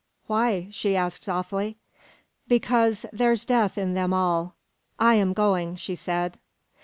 "Why?" she asked softly. "Because there's death in them all." "I am going," she said.